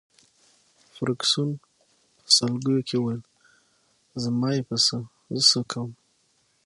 فرګوسن په سلګیو کي وویل: زما يې په څه، زه څه کوم.